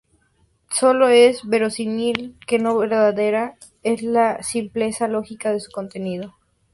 Sólo es verosímil, que no verdadera, en la simpleza lógica de su contenido.